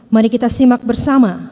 mari kita simak bersama